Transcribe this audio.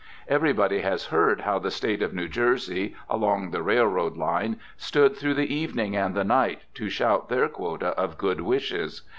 Everybody has heard how the State of New Jersey, along the railroad line, stood through the evening and the night to shout their quota of good wishes.